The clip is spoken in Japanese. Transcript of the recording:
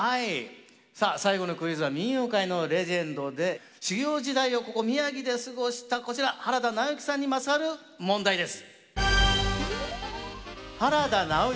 さあ最後のクイズは民謡界のレジェンドで修業時代をここ宮城で過ごしたこちら原田直之さんにまつわる問題です。